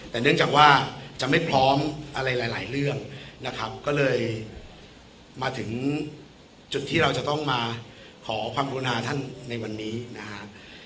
แต่เนื่องจากว่าจะไม่พร้อมอะไรหลายเรื่องนะครับก็เลยมาถึงจุดที่เราจะต้องมาขอความกรุณาท่านในวันนี้นะครับ